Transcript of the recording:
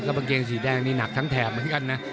กางเกงสีแดงนี่หนักทั้งแถบเหมือนกันนะ